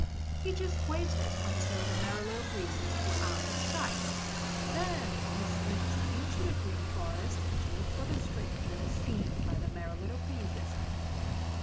He just waited until the Merry Little Breezes were out of sight, then he slipped into the Green Forest to look for the stranger seen by the Merry Little Breezes.